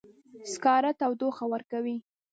سکاره تودوخه ورکوي